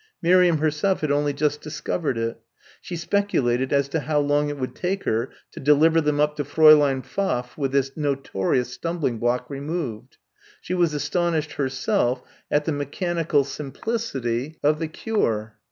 Miriam herself had only just discovered it. She speculated as to how long it would take for her to deliver them up to Fräulein Pfaff with this notorious stumbling block removed. She was astonished herself at the mechanical simplicity of the cure.